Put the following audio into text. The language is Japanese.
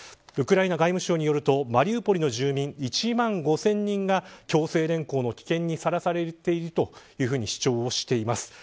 ウクライナ外務省によるとマリウポリの住民１万５０００人が強制連行の危険にさらされていると主張しています。